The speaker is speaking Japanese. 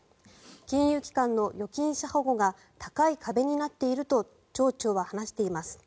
金融機関の預金者保護が高い壁になっていると町長は話しています。